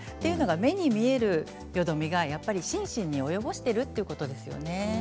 目に見えるよどみが心身に影響を及ぼしているということですね。